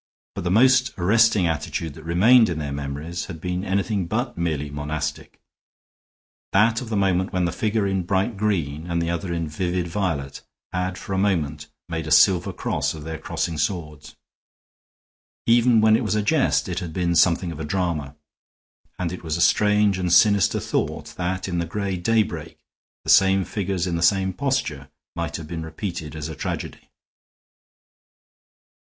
But the most arresting attitude that remained in their memories had been anything but merely monastic; that of the moment when the figure in bright green and the other in vivid violet had for a moment made a silver cross of their crossing swords. Even when it was a jest it had been something of a drama; and it was a strange and sinister thought that in the gray daybreak the same figures in the same posture might have been repeated as a tragedy.